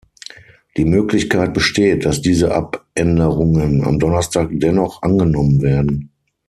Die Möglichkeit besteht, dass diese Abänderungen am Donnerstag dennoch angenommen werden.